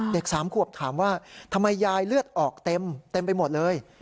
๓ขวบถามว่าทำไมยายเลือดออกเต็มไปหมดเลย